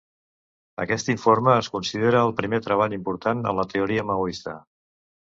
Aquest informe es considera el primer treball important en la teoria maoista.